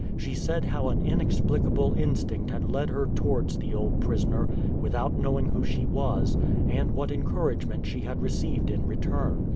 She said how an inexplicable instinct had led her towards the old prisoner without knowing who she was, and what encouragement she had received in return.